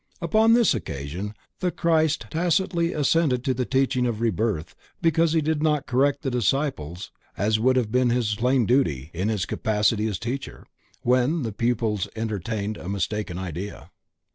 Upon this occasion the Christ tacitly assented to the teaching of Rebirth because He did not correct the disciples as would have been His plain duty in His capacity as teacher, when the pupils entertained a mistaken idea.